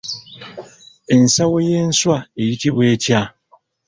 Ensawo y'enswa eyitibwa etya?